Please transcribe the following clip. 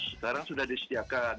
sekarang sudah disediakan